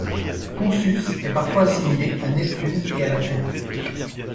Consus est parfois assimilé à Neptune et à la fête.